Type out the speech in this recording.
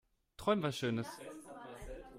Träum was schönes.